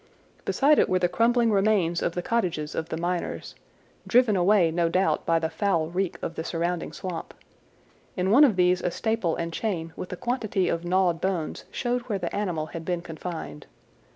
Beside it were the crumbling remains of the cottages of the miners, driven away no doubt by the foul reek of the surrounding swamp. In one of these a staple and chain with a quantity of gnawed bones showed where the animal had been confined.